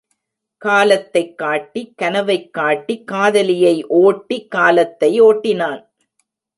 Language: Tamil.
காலத்தைக் காட்டி, கனவைக் கூட்டி, காதலியை ஓட்டி, காலத்தை ஓட்டினான்.